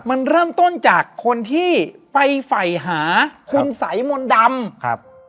มันเริ่มต้นจากคนที่ไปไฝ่หาคุณสัยมนต์ดำครับ